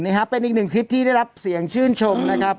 นี่ครับเป็นอีกหนึ่งคลิปที่ได้รับเสียงชื่นชมนะครับ